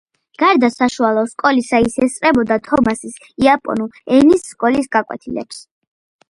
გარდა საშუალო სკოლისა, ის ესწრებოდა თომასის იაპონური ენის სკოლის გაკვეთილებს.